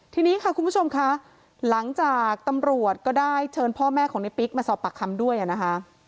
ทีนี้ค่ะคุณผู้ชมค่ะหลังจากตำรวจก็ได้เชิญพ่อแม่ของในปิ๊กมาสอบปากคำด้วยนะคะ